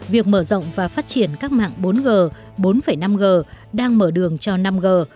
việc mở rộng và phát triển các mạng bốn g bốn năm g đang mở đường cho năm g